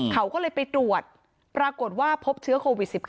เขาก็เลยไปตรวจปรากฏว่าพบเชื้อโควิด๑๙